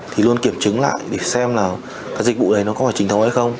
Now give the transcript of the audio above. thì luôn kiểm chứng lại để xem là cái dịch vụ này nó có phải chính thống hay không